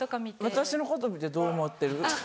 私のこと見てどう思ってる？あっ。